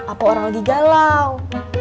atau orang lagi galau